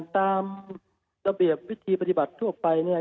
ตามระเบียบวิธีปฏิบัติทั่วไปเนี่ย